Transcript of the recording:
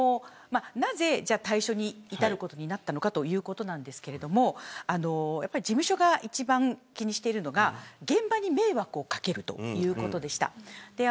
なぜ、退所に至ることになったのかということなんですがやっぱり事務所が一番気にしているのが現場に迷惑を掛けるということでした。